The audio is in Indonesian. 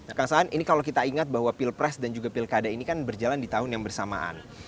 nah kang saan ini kalau kita ingat bahwa pilpres dan juga pilkada ini kan berjalan di tahun yang bersamaan